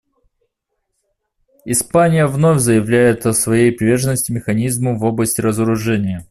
Испания вновь заявляет о своей приверженности механизму в области разоружения.